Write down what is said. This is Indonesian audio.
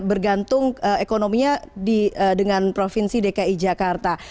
bergantung ekonominya dengan provinsi dki jakarta